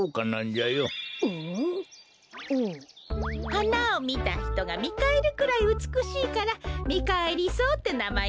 はなをみたひとがみかえるくらいうつくしいからミカエリソウってなまえがついたんだけど。